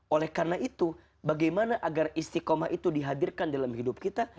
oleh karena itu bagaimana agar istiqomah itu dihadirkan dalam hidup kita